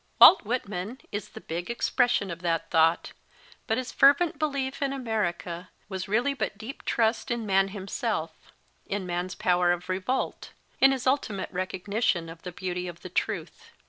Walt Whitman is the big expression of that thought, but his fervent belief in America was really but deep BY THE CAMP FIRE trust in man himself, in man s power of revolt, in his ultimate recognition of the beauty of the truth.